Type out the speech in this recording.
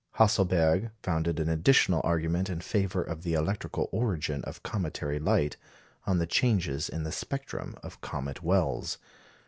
Hasselberg founded an additional argument in favour of the electrical origin of cometary light on the changes in the spectrum of comet Wells.